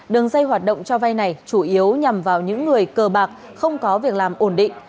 đường dây hoạt động cho vay này chủ yếu nhằm vào những người cờ bạc không có việc làm ổn định